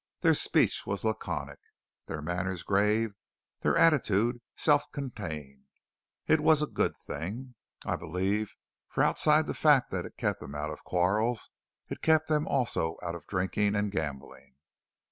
Their speech was laconic, their manners grave, their attitude self contained. It was a good thing, I believe; for outside the fact that it kept them out of quarrels, it kept them also out of drinking and gambling.